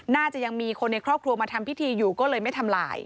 น่าจะยังมีคนในครอบครัวมาทำพิธีอยู่ก็เลยไม่ทำลาย